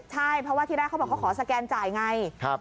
ใช่เพราะว่าที่แรกเขาบอกเขาขอสแกนจ่ายไง